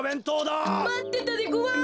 まってたでごわす！